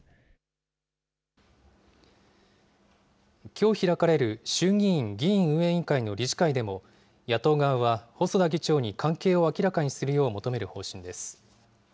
きょう開かれる衆議院議院運営委員会の理事会でも、野党側は細田議長に関係を明らかにするよう求める方針です。